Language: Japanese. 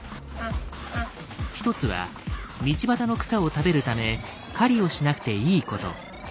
一つは道端の草を食べるため狩りをしなくていいこと。